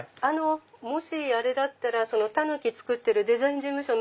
もしあれだったらタヌキ作ってるデザイン事務所